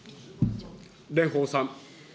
蓮舫さん。